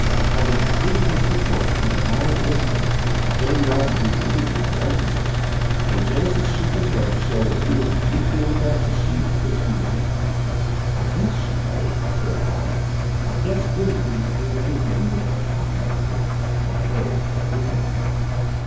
Having completed this report in a violent whisper, Jane nodded repeatedly, for emphasis, and Genesis shook his head to show that he was as deeply impressed as she wished him to be. "I guess," she added, after a pause "I guess Willie didn't hear anything you an' I talked about him, or clo'es, or anything."